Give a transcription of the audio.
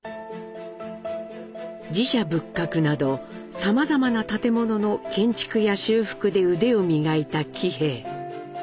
寺社仏閣などさまざまな建物の建築や修復で腕を磨いた喜兵衛。